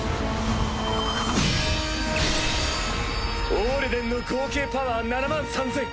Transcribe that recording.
オールデンの合計パワー７３０００！